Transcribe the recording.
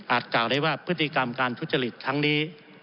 กล่าวได้ว่าพฤติกรรมการทุจริตทั้งนี้